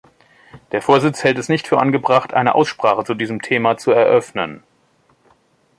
Der Vorsitz hält es nicht für angebracht, eine Aussprache zu diesem Thema zu eröffnen.